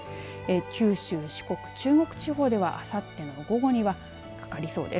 九州、四国、中国地方ではあさっての午後にはかかりそうです。